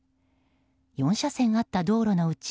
４車線あった道路のうち